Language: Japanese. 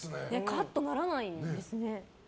カッとならないんですね。